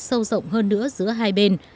sâu rộng hơn nữa giữa hai bên